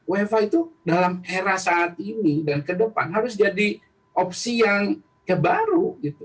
wfa itu dalam era saat ini dan ke depan harus jadi opsi yang kebaru gitu